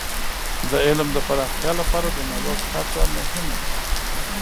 د علم د پراختیا لپاره د نوښت هڅه مهمه ده.